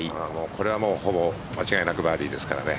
これはもうほぼ間違いなくバーディーですからね。